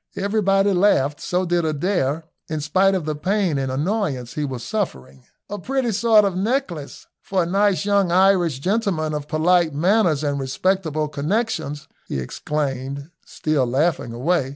Everybody laughed, so did Adair, in spite of the pain and annoyance he was suffering. "A pretty sort of a necklace for a nice young Irish gentleman of polite manners and respectable connexions," he exclaimed, still laughing away.